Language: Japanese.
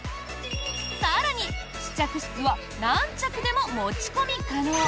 更に、試着室は何着でも持ち込み可能。